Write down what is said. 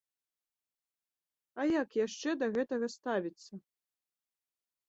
А як яшчэ да гэтага ставіцца?